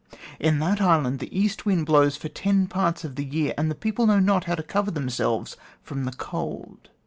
In that island the east wind blows for ten parts of the year, and the people know not how to cover themselves from the cold.